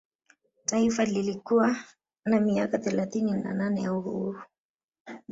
Taifa lilikuwa na miaka thelathini na nane ya uhuru